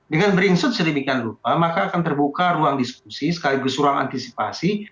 dengan berinsut sedemikian rupa maka akan terbuka ruang diskusi sekaligus ruang antisipasi